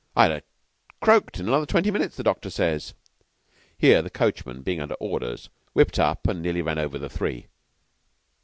I'd ha' croaked in another twenty minutes, the doctor says." Here the coachman, being under orders, whipped up and nearly ran over the three.